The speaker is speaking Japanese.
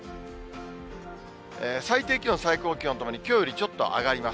最低気温、最高気温ともにきょうよりちょっと上がります。